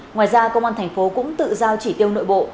ngoài ra công an tp cũng tự giao chỉ tiêu nội bộ